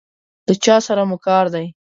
له چا سره مو کار دی؟